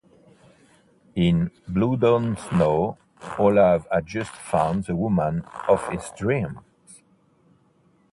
In "Blood on Snow", Olav has just found the woman of his dreams.